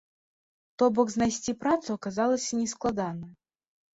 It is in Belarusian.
То бок знайсці працу аказалася нескладана.